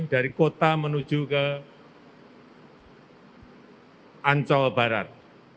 dari kota menuju ke ancol barat